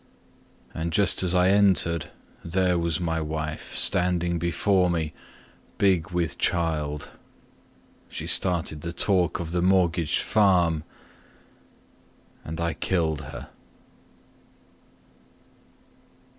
And just as I entered there was my wife, Standing before me, big with child. She started the talk of the mortgaged farm, And I killed her.